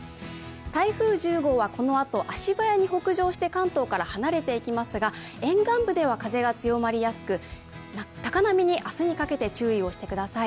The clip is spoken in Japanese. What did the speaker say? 台風１０号はこのあと、足早に北上して関東から離れていきますが、沿岸部では風が強まりやすく高波に明日にかけて注意をしてください。